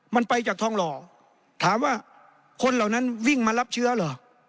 มันไปจากทองหล่อถามว่าคนเหล่านั้นวิ่งมารับเชื้อเหรอ